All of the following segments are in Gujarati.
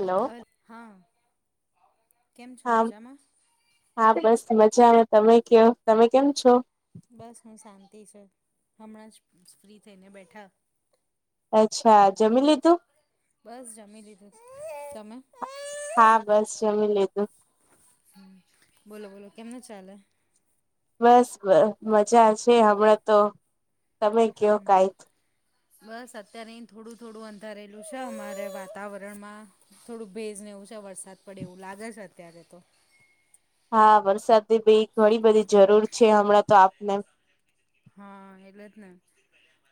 હેલો હ હા કેમ છો હા મજામાં હા બસ મજા આવે તમે કયો તમે કેમ છો બસ હું શાંતિ છે હમણાં જ ફ્રી થઈને બેઠા. અચ્છા જમી લીધું. બસ જમી લીધું તમે. હા બસ જમી લીધું હમ્મ બોલો બોલો કેમનુ ચાલે. બસ મજા છે હમણાં તો તમે કયો કઈક. બસ અત્યારે અહી થોડું થોડું અંધારેલું છે અમારે વાતાવરણમાં. થોડું ભેજ ને એવું છે વરસાદ પડે એવું લાગે છે અત્યારે તો. હા વરસાદની બી ઘણી બધી જરૂર છે હમણાં તો આપને. હા એટલે જ ને.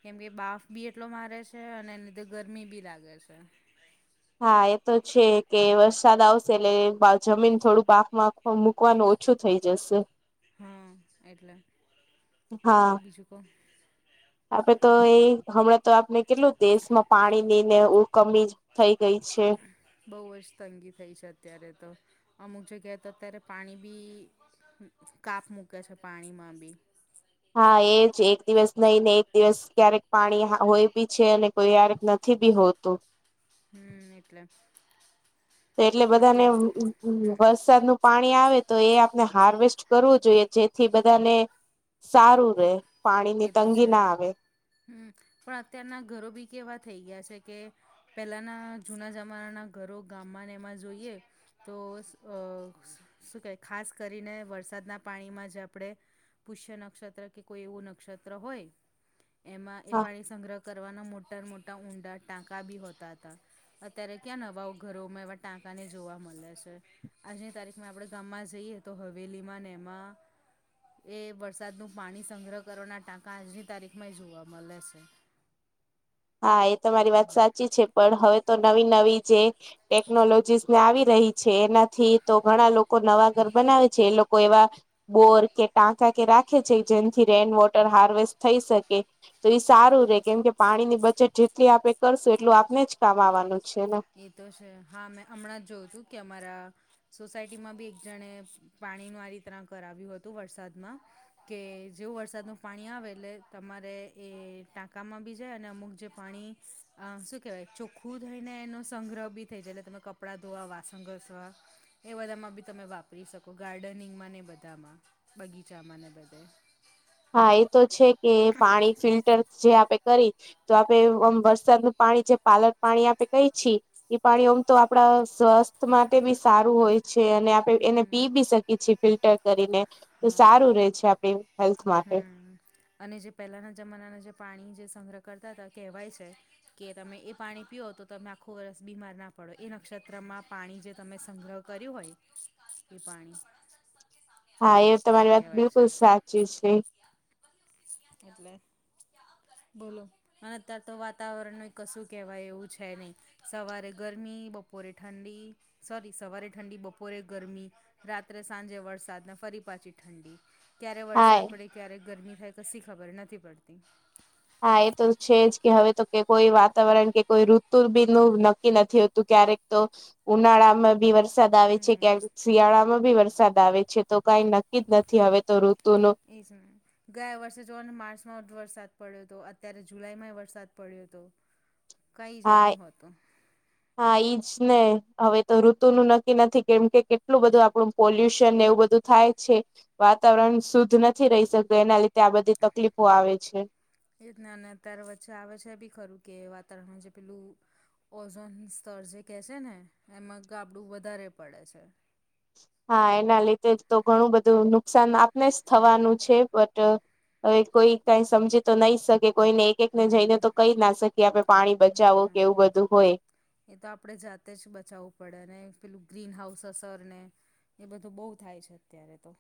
કેમ કે બાફ બી એટલો મારે છે અને એ લીધે ગરમી બી લાગે છે. હા એ તો છે કે વરસાદ આવશે એટલે પાચ જમીન થોડું પાકમાં. મૂકવાનું ઓછું થઇ જશે. હા એટલે બોલો બીજું ક. આપે તો એ હમણાં તો આપને કેટલું દેશમાં પાણી ની ને ઉ કમી થઈ ગઈ છે. બહુ જતંગી થઈ છે અત્યારે તો અમુક જગ્યાએ તો અત્યારે પાણી બી. કાપ મૂકે છે પાણી માં બી. હા એ જ એક દિવસ નઈ ને એક દિવસ ક્યારેક પાણી હોય બી છે અને કોઈ વાર નથી ભી હોતૂ હમ્મ એટલે. તો એટલે બધાને અત્યારે વરસાદ નુ પાણી આવે તો એ આપણે હાર્વેસ્ટ કરવું જોઈએ જેથી બધાને. સારું રે પાણી એ ની તો તંગી છે ના આવે. હમ પણ અત્યારના ઘરો બી કેવા થઈ ગયા છે કે. પેલાના જુના જમાનાના ઘરો ગામમાં ને એમાં જોઈએ. તો શું કે ખાસ કરીને વરસાદના પાણીમાં જ આપણે. પુષ્ય નક્ષ કોઈ એવું નક્ષત્ર હોય એમાં એ પાણી સંગ્રહ કરવાના મોટા મોટ. ત્યાં ઊંડા ટાંકા ભી હોતા તા. અત્યારે ક્યાંના નવા ઘરોમાં એવા ટાંકા ને જોવા મળે છે. આજની તારીખમાં આપણે ગામમાં જઈએ તો હવેલીમાં ને એમાં એ વરસાદનું. પાણી સંગ્રહ કરવાના ટાંકા આજની તારીખ માં જોવા મળે છે. હા એ તમા મારી વાત એવા સાચી છે. પણ હવે તો નવી નવી જે ટેકનોલોજીસ ને આવી રહી છે એનાથી તો ઘણા લોકો. નવા ઘર બનાવે છે એ લોકો એવા બોર કે ટાંકા કે રાખે છે જેમથી રેન વોટ. હાર્વેસ્ટ થઈ શકે તો એ સારું રે કેમ કે પાણીની. બજેટ જેટલી આપે કરશું એટલું આપને જ કામ આવવાનું છે ને. એ તો છે હા મેં હમણાં જ જોઉું તું કે અમારા. સોસાયટીમાં બી એક જણે પાણી ન આ રીતના કરાવ્યું હતું વરસાદમાં કે જેવ વરસાદનું પાણી આવે એટલે તમારે એ ટાંકામાં બી જાય અને અમુક જે પાણી આ શું કેવાય ચોખું થઈ ને એનું. સંગ્રહ બી થઈ એટલે તમે કપડાં ધોવા વાસણ ઘસવા. એ બધામાં બી તમે વાપરી શકો ગાર્ડનિંગમાં ને બધામાં બગીચામાં ને બધે. હા એ તો છે કે પાણી ફિલ્ટર જે આપે કરી. તો આપણે આમ વરસાદનુંું પાણી જે પાલક પાણી આપે કઈ છી. એઈ પાણી આમ તો આપડા સ્વસ્થ માટે બી સારું હોય છે અને. આપ એને હમ પી બી શકી છીએ ફિલ્ટર કરીને તો હા સારું રે છે આપડી હેલ્. હમ અને જે પહેલાના જમાનાના જે પાણી જે સંગ્રહ કરતા હતા કહેવાય છે. કે તમે એ પાણી પીઓ તો તમે આખો વરસ બીમાર ના પડો એ નક્ષત્રમાં પાણી જે તમે સંગ્રહ. કર્યું હોય એ પાણી સબ સામે આ્યા હા એ એવું તમારી વાત કેહેવાય છે બિલકુલ સાચી છે એટલે બોલો અને અત્યારે તો વાતાવરણ ન કશું કેહેવાય એવું છે નહી સવારે ગરમી બપોરે ઠંડી સોરી સવારે ઠંડી બપોરે ગરમી રાત્રે સાંજે વરસાદને ફરી. પાછી ઠંડી ક્યારે હા વરસાદ પડે ક્યારે ગરમી થાય કશી ખબર નથી પડતી હા એ તો છેજ કે હવે તો કોઈ વાતાવરણ કે કોઈ ઋતુ બી નું નક્કી નથી હોતું ક્યારેક તો ઉનાળામાંબી વરસાદ વરસાદ આવે છે હમ ક્યાંક શિયાળામાં ભી વરસાદ આવે છે તો કઈ નક્કી જ નથી હવે તો ઋતુ ન એ છે. ગયા વર્ષે જોવાનું માર્ચમાં વરસાદ પડ્યો હતો અત્યારે જુલાઈમાં વરસાદ પડ્યો હતો. કઈ જે હા નહી હોતું. હા એઈજ ને હવે તો ઋતનું નક્કી નથી કેમ કે કેટલું બધું આપણું પોલ્યુશન એવું બધું થાય છે. વાતાવરણ શુદ્ધ નથી રહી શકતો એના લીધે આ બધી તકલીફો આવે છે. એજને અત્યારે વચ્ચે આવે છે એ બી ખરું કે વાતાવરણ જે પેલું ઓઝોન સ્તર જે કહે છે ને એમાં ગાબડું વધારે પડે છે. હા એના લીધે તો ઘણું બધું નુકસાન આપને જ હમ થવાનું છે બટ હવે કોઈ કઈ સમજી તો નહી શકે કોઈને એક એક ને જઈને હમ તો કઈ જ ના શકીએ આપણે પાણી બચાવું ના કે એવું બધું હોય. એ તો આપણે જાતે જ બચાવવું પડે અને પેલું ગ્રીન હાઉસ અસર ને એ બધું બહુ થાય છે અત્યારે તો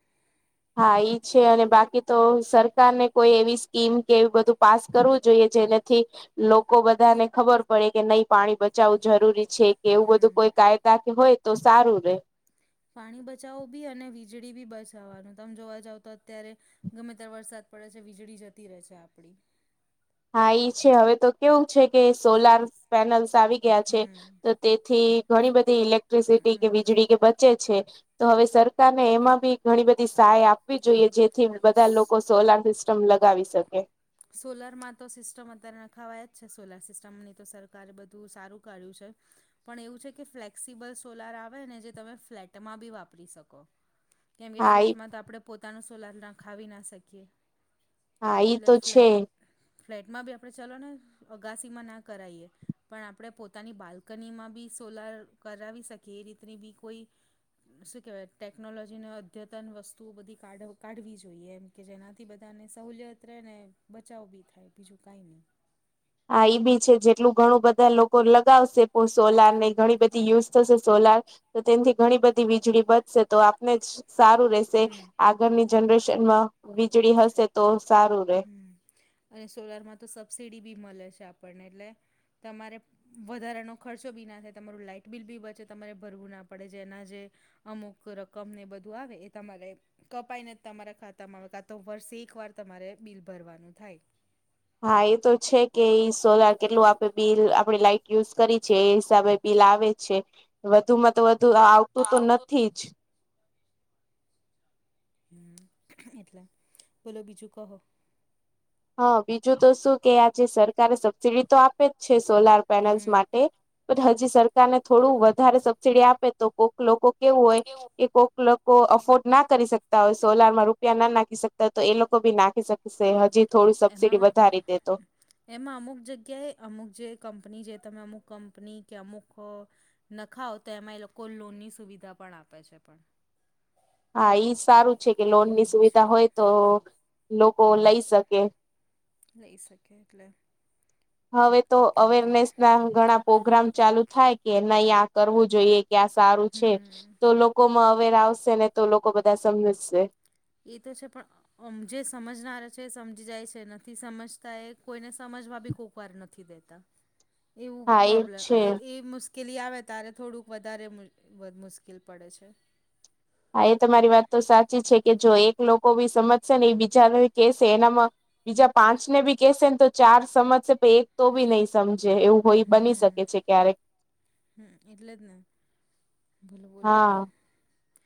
હા, એઈ છે અને બાકી તો સરકારને કોઈ એવી સ્કીમ કે એ બધું પાસ કરવું જોઈએ જેનાથી લોકો બધાને ખબર પડે કે નહી પાણી બચાવવું જરૂરી છે કે એવું બધું હમ કોઈ કાયદા કે હોય તો સારું રે પાણી બચાવો બી અને વીજળીબી બચાવવાનું તમે જોવા જાવ તો અત્યારે ગમે ત્યારે વરસાદ પડે છે વીજળી જતી રહે છે આપડી હા એ છે હવે તો કેવું છે કે સોલાર પેનલ્સ આવી ગયા છે. હમ તેથી ઘણી બધી ઇલેક્ટ્રિસિટી કે વીજળી કે બચે છે તો હવે સરકારને એમાં બી ઘણી બધી સહાય આપવી જોઈએ જેથી બધા લોકો સોલાર સિસ્ટમ લગાવી શકે. સોલારમાં તો સિસ્ટમ અત્યારે નખાવાયા જ છે સોલાર સિસ્ટમની તો સરકારે બધું સારું કાઢ્યું છે. પણ એવું છે કે ફ્લેક્સિબલ સોલાર આવે ને જે તમે ફ્લેટમાં બી વાપરી શકો. કેમકે હા ઈ ફ્લેટમાં તો આપણે પોતાનું સોલાર નાખાવી ના શકીએ. હા, ઈ એટલે તો છે. ફ્લેટ ફ્લેટમાં બી આપડે ચલો ને અગાસીમાં ના કરાઈએ પણ આપડે પોતાની બાલ્કનીમાં બી સોલાર કરાવી શકીએ એ રીતની બી કોઈ શું કહેવાય ટેકનોલોજીને અદ્યતન વસ્તુઓ બધી કાઢવ કાઢવી જોઈએ. કે જેનાથી બધાને સહુલિયત રેહ ને બચાવ બી થાય બીજું કઈ નહી. હા, એ બી છે જેટલું ઘણું બધા લોકો લગાવશે પણ સોલાર ને ઘણી બધી યુઝ થશે સોલાર તો તેનથી ઘણી બધી વીજળી બચશે તો આપને જ સારું રહેશે, હમ આગળની જનરેશનમાં વીજળી હશે તો સારું રેહ હમ્મ અને સોલારમાં તો સબસિડી બી મળે છે આપણને એટલે તમારે વધારાનો ખર્ચો બી ના થાય તમારું લાઈટ બિલ બી બચે તમારે ભરવુંના પડે જેના જે અમુક રકમ ને બધું આવે એ તમારે કપાઈ ને જ તમારા ખાતામાં આવતા તો વર્ષે એક વાર તમારે બિલ ભરવાનું થાય. હા, એતો છે કે એ સોલાર કેટલું આપે બિલ આપે લાઈટ યુઝ કરી છે એ હિસાબે બિલ આવે છે, વધુ માં તો વધુ આવતું તો નથી જ. હ એટલે બોલો બીજું કહો. હા બીજું તો શું કે આજે સરકારે સબસીડી તો આપે જ છે સોલાર પેનલ્સ હમ માટે. પણ હજી સરકારને થોડું વધારે સબસીડી આપે તો કોક લોકો કેવું હોય, કે કોક લોકો અફોર્ડ ના કરી શકતા હોય સોલારમાં રૂપિયા ના નાખી શકતા હોય તો એ લોકો બી નાખી શકશે હજી થોડી સબસીડી એમાં વધારી દે તો એમાં અમુક જગ્યાએ અમુક જે કંપની જે તમે અમુક કંપની કે અમુક નખાવઓ તો એમાં એ લોકો લોનની સુવિધા પણ આપે છે પણ. હા એઈ સારું છે કે લોન એવું ની બી છે સુવિધા હોય તો લોકો હમ લઈ શકે. લઈ શકે એટલે. હવે તો અત્યારે તો અવેરનેસ ના ઘણા પ્રોગ્રામ ચાલુ થાય કે નહી આ કરવું જોઈએ. કે્યા સારું છે, હમ તો લોકો માં અવેર આવશે ને તો લોકો બધા સમજશે. એ તો છે પણ મ જે સમજનાર છે સમજી જાય છે નથી સમજતા એ કોઈને સમજવા બી કોક વાર નથી દેતા. એવું હા એ પ્રોબ્લેમ છે એ મુ કેલી આવે ત્યારે થોડુંક વધારે મુશ્કેલ પડે છે. હા એ તમારી વાત તો સાચી છે કે જો એક લોકો ભી સમજશે ને એ બીજા કેશે એનામાં બીજા પાંચ ને બી કેશે ને તો ચાર સમજશે પણ એક તો બી નહી સમજે એવું. હોય બની શકે છે ક્યારેક. હમ એટલે જ ને, બોલો બોલો. હા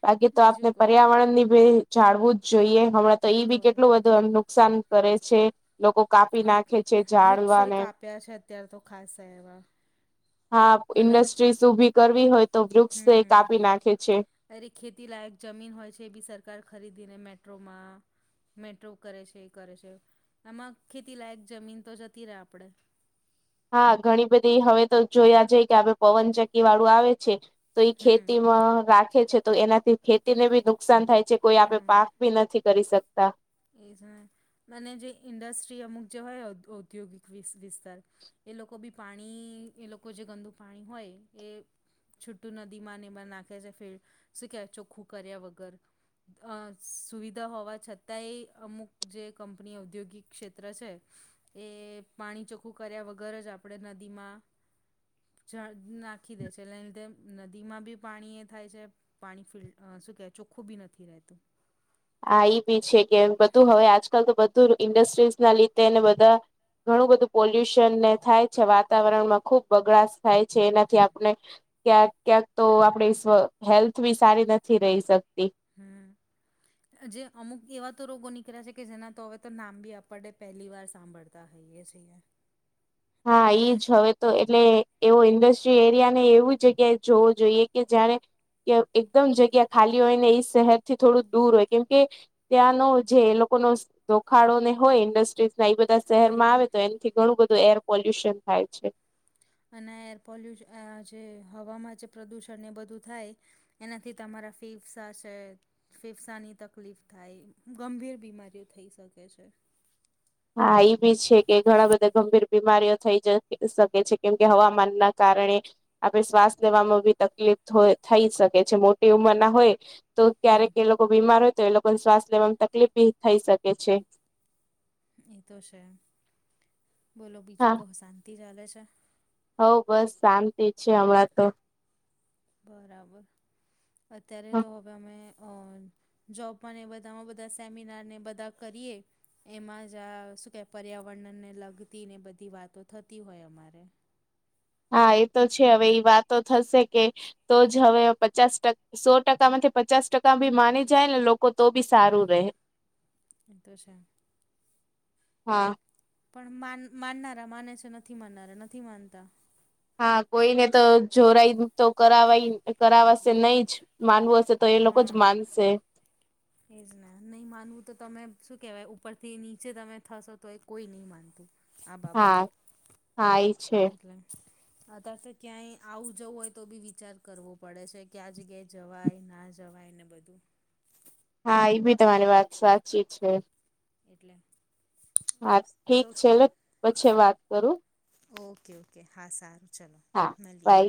બાકી તો આપને બીજું કહો પર્યાવરણ ની ભી જાળવું જ જોઈએ હમણાં તો ઈ ભી બોલો કેટલું નુકસાન કરે છે. લોકો કાપી નાખે છે વૃક્ષોય જાળવાને. કાપ્યા છે અત્યારે તો ખાસા એવા હા અને ઇન્ડસ્ટ્રીઝ ઊભી કરવી હોય તો વૃક્ષ એ હમ કાપી નાખે છે. અરે ખેતી લાયક જમીન હોય છે એ બી સરકાર ખરીદીને મેટ્રોમાં મેટ્રો કરે છે એ કરે છે આમાં ખેતી લયક જમીન તો જતી ર આપડે હા ઘણી બધી હવે તો જોયા જઈ કે આપ પવન ચકી વાળું આવે છે તો એ હમ ખેતીમાં રાખે છે તો એનાથી ખેતીને બી નુકસાન થાય છે કોઈ આપડે પા બી નથી કરી શકતા [unintelligible] મને જે ઇન્ડસ્ટ્રી અમુક જે હોય ઔ ઔદ્યોગિક વિ વિસ્તાર એ લોકો બી પાણી એ લોકો જે ગંદુ પાણી હોય એ છૂટું નદીમાં ને એમાં નાખે છે [unintelligible] શું કે ચોખ્ખું કર્યા વગર. અ સુવિધા હોવા છત તા એ અમુક જે કંપની ઔદ્યોગિક ક્ષેત્ર છે. એ પાણી ચોખ્ખું કર્યા વગર જ આપણે નદીમાં જળ નાખી દે છે એટલે એ લીધે નદીમાં બી પાણી એ થાય છે પાણી ફિલ શું કે ચોખ્ખું બી નથી રહેતું આ એ બી છે કે બધું હવે આજકાલ તો બધું ઇન્ડસ્ટ્રીઝ ના લીધે બધા ઘણું બધું પોલ્યુશનને થાય છે વાતાવરણમાં ખુબ બગડાશ થાય છે એનાથી આપણે ક્યાંક ક્યાંક તો આપડી હેલ્થ બી સારી નથી રહી શકતી હા જે અમુક એવા તો રોગો નીકળ્યા છે કે જેના તો હવે તો નામ બી આપ પહેલી વાર સાંભળતા પતા હૈએ સએ હા એઈ જ હવે તો એટલે એવો ઇન્ડસ્ટ્રીયલ એરિયા ને એવી જગ્યાએ જોવું જોઈએ કે જયારે કે એકદમ જગ્યા ખાલી હોય ને એ શહેરથી થોડું દૂર હોય કેમ કે ત્યાંનો જે એ લોકો ન જોખાડો ને હોય ઇન્ડસ્ટ્રીઝ એ બધા શહેર માં આવે તો એનાથી ઘણું બધું એર પોલ્યુશન થાય છે અને એર પોલ્યુ જે હવામાં જે પ્રદુષણ એ બધું થાય એનાથી તમારા ફીફસા છે ફેફસાની તકલીફ થાય ગંભીર બીમારીઓ થઈ શકે છે હા એ બી છે કે ઘણા બધા ગંભીર બીમારીઓ થઈ જ શકે છે કેમકે હવામાન ના કારણે આપે શ્વાસ લેવામાં બી તકલીફ થઈ શકે છે મોટી ઉંમર ના હોય તો હમ ક્યારેક એ લોકો બીમાર હોય તો એ લોકોને શ્વાસ લેવાવામાં તકલીફ ભી થઈ શકે છે એ તો છે બોલો બીજું કહું શાંતિ ચાલે છે હઉ બસ શાંત છે હમણાં તો બરાબર અત્યારે તો હવે અમે અ જોબમાંને બધામાં બધા સેમિનાર ને બધા કરીએ એમાં જ આ શું કે પર્યાવરણને લગતી ને બધી વાતો થતી હોય અમારે હા એ તો છે હવે એ વાતો થશે કે તો જ હવે પચાસ ટકા સો ટકા માંથી પચાસ ટકા બી માની જાય ને લોકો તો બી સારું રહે એ તો છેા હા પણ માન માનનારા માને છે નથી માનનારા નથી માનતા હા કોઈને તો જોરાઈ તો કરાવાય કરાવવાશે નહી જ માનવું હશે તો એ લોકો જ હા માનશે એજ નહી માનવું તો તમે શું કેવાય ઉપરથી નીચે તમે થશો તો એ કોઈ નહી માનતું આ હા હા એ છે એ અત તો ક્યાંય આવું જવું હોય તો બી વિચાર કરવો પડે છે કે આ જગ્યાએ જવાય ના જવાય ને બધું હા એ ભી તમારી વાત સાચી છે એટલે હા ઠીક સો છે એલે પછી વાત કરું ઓકે ઓકે હા સારું ચલો હા મળીએ બાય